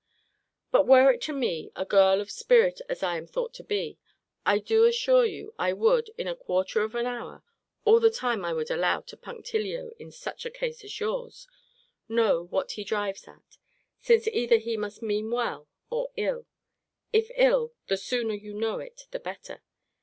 But were it to me, a girl of spirit as I am thought to be, I do assure you, I would, in a quarter of an hour (all the time I would allow to punctilio in such a case as yours) know what he drives at: since either he must mean well or ill; if ill, the sooner you know it, the better.